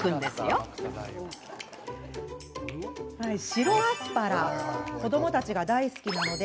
白アスパラ子どもたちが大好きなので